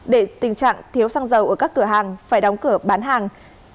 để tình trạng thiếu xăng dầu ở các cửa hàng phải đóng cửa bán hàng